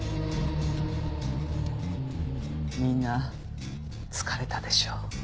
みんな疲れたでしょ。